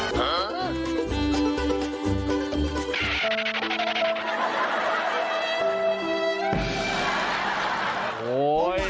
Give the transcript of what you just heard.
หังเตอร์หังเตอร์